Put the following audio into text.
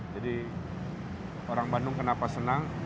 jadi orang bandung kenapa senang